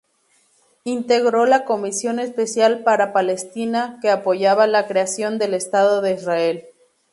Integró la "Comisión Especial para Palestina" que apoyaba la creación del Estado de Israel.